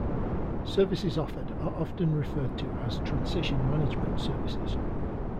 Services offered are often referred to as transition management services.